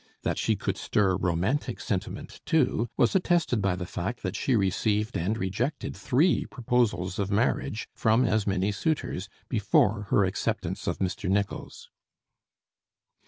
That she could stir romantic sentiment too was attested by the fact that she received and rejected three proposals of marriage from as many suitors, before her acceptance of Mr. Nicholls.